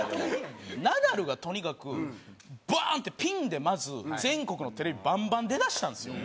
ナダルがとにかくバーン！ってピンでまず全国のテレビバンバン出だしたんですよ。